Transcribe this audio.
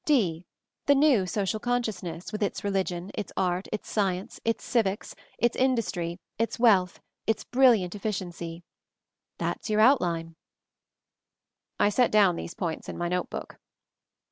s d. The new social consciousness, with its religion, its art, its science, its civics, its in dustry, its wealth, its brilliant efficiency. That's your outline." I set down these points in my notebook.